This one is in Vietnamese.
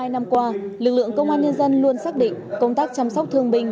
hai mươi năm qua lực lượng công an nhân dân luôn xác định công tác chăm sóc thương binh